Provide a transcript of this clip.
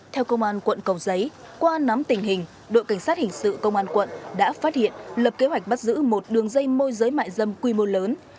theo công an quận cầu giấy qua nắm tình hình đội cảnh sát hình sự công an quận đã phát hiện lập kế hoạch bắt giữ một đường dây môi giới mại dâm quy mô lớn